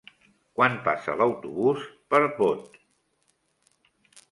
Quan passa l'autobús per Bot?